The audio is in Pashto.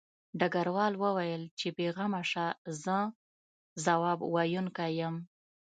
ډګروال وویل چې بې غمه شه زه ځواب ویونکی یم